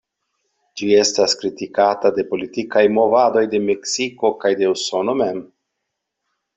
Ĝi estas kritikata de politikaj movadoj de Meksiko kaj de Usono mem.